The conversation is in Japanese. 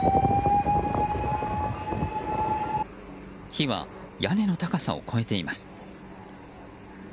火は屋根の高さを越えています。